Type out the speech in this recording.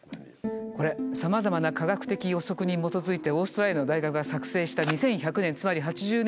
これさまざまな科学的予測に基づいてオーストラリアの大学が作成した２１００年